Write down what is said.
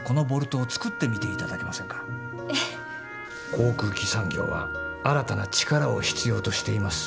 航空機産業は新たな力を必要としています。